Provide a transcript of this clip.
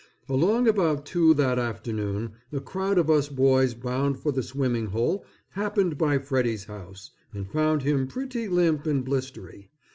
Along about two that afternoon, a crowd of us boys bound for the swimming hole happened by Freddy's house, and found him pretty limp and blistery.